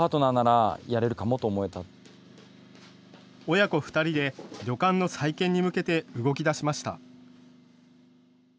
親子２人で旅館の再建に向けて動き出しました。